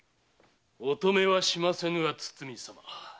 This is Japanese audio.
お止めはしませんが堤様。